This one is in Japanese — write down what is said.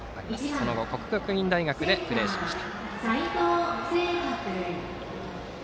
その後国学院大学でプレーしました。